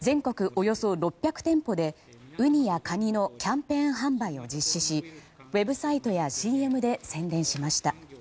およそ６００店舗でウニやカニのキャンペーン販売を実施しウェブサイトやＣＭで宣伝しました。